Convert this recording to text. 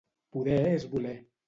Poder és voler.